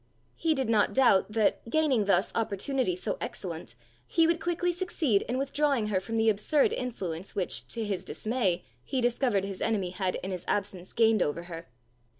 He did not doubt that, gaining thus opportunity so excellent, he would quickly succeed in withdrawing her from the absurd influence which, to his dismay, he discovered his enemy had in his absence gained over her.